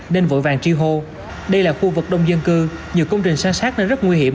nên vội vàng tri hô đây là khu vực đông dân cư nhiều công trình san sát nên rất nguy hiểm